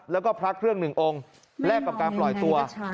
แล้วก็พลักเครื่อง๑องค์แลกกับการปล่อยตัว